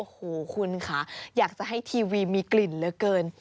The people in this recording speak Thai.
โอ้โหคุณค่ะอยากจะให้ทีวีมีกลิ่นเหลือเกิน